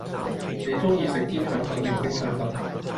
你鐘意食煎腸粉定蒸腸粉